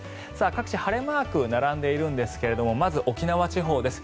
各地、晴れマークが並んでいるんですがまず沖縄地方です。